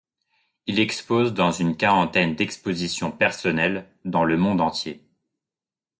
Il expose dans une quarantaine d’expositions personnelles dans le monde entier.